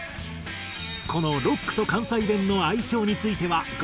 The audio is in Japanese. このロックと関西弁の相性についてはご本人も。